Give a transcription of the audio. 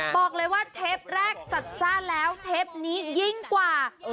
บอกเลยว่าเทปแรกจัดซ่านแล้วเทปนี้ยิ่งกว่า